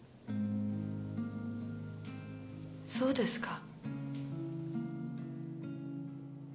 そうですか。